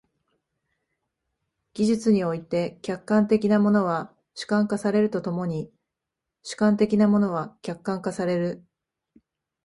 技術において、客観的なものは主観化されると共に主観的なものは客観化される。